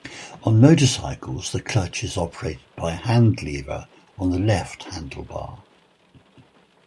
On motorcycles the clutch is operated by a hand lever on the left handlebar.